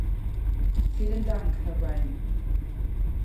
Vielen Dank, Herr Ryan.